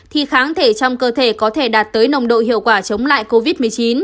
thì kháng thể trong cơ thể có thể đạt tới nồng độ hiệu quả chống lại covid một mươi chín